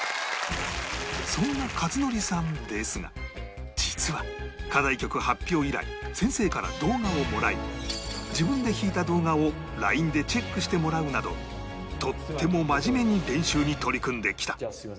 そんな克典さんですが実は課題曲発表以来先生から動画をもらい自分で弾いた動画を ＬＩＮＥ でチェックしてもらうなどとっても真面目に練習に取り組んできた